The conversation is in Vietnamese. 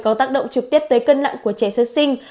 có tác động trực tiếp tới cân nặng của trẻ sơ sinh